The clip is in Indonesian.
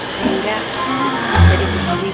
sehingga jadi tuh ruh ini